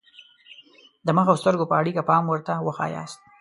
د مخ او سترګو په اړیکه پام ورته وښایاست.